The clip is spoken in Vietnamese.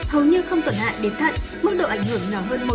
hầu như không tổn hại đến thận mức độ ảnh hưởng nhỏ hơn một